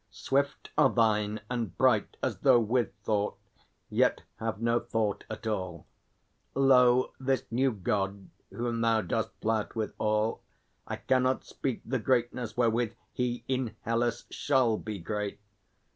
Swift are thine, and bright As though with thought, yet have no thought at all. Lo, this new God, whom thou dost flout withal, I cannot speak the greatness wherewith He In Hellas shall be great!